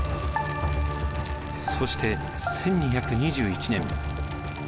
そして１２２１年。